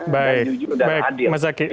dan jujur dan adil